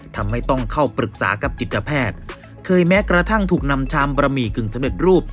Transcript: ทำให้ต้องเข้าปรึกษากับจิตแพทย์เคยแม้กระทั่งถูกนำชามบะหมี่กึ่งสำเร็จรูป